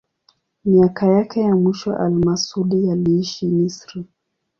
Miaka yake ya mwisho al-Masudi aliishi Misri.